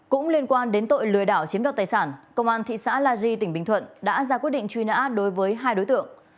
cũng liên quan đến tội lừa đảo chiếm đoạt tài sản công an thị xã la di tỉnh bình thuận đã ra quyết định truy nã đối với hai đối tượng